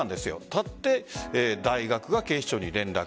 たって大学が警視庁に連絡。